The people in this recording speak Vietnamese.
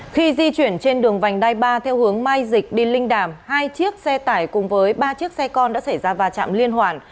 khi di chuyển trên đường vành đai ba theo hướng mai dịch đi linh đàm hai chiếc xe tải cùng với ba chiếc xe con đã xảy ra va chạm liên hoàn